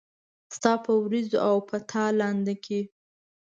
ستا په ورېځو او په تالنده کې